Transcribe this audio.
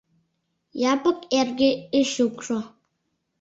Япык эрге Эчукшо